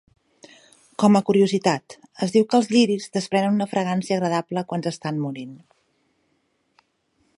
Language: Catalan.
Com a curiositat, es diu que els lliris desprenen una fragància agradable quan s'estan morint.